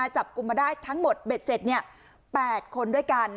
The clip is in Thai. จับกลุ่มมาได้ทั้งหมดเบ็ดเสร็จ๘คนด้วยกัน